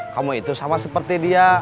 kamu itu sama seperti dia